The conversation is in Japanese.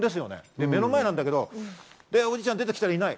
目の前なんだけどおじいちゃんが出てきたらいない。